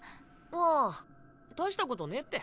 ああ大したことねぇって。